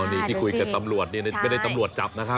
อ๋อนี่ที่คุยกับตำรวจเนี่ยไม่ได้ตำรวจจับนะครับ